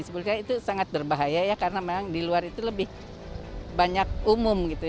sebenarnya itu sangat berbahaya karena memang di luar itu lebih banyak umum